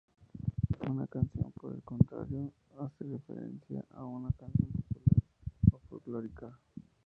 Una "canción", por el contrario, hace referencia a una canción popular o folclórica.